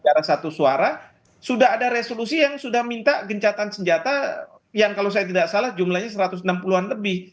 secara satu suara sudah ada resolusi yang sudah minta gencatan senjata yang kalau saya tidak salah jumlahnya satu ratus enam puluh an lebih